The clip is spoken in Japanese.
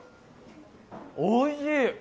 おいしい！